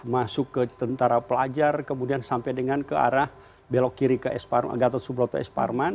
masuk ke tentara pelajar kemudian sampai dengan ke arah belok kiri ke esparman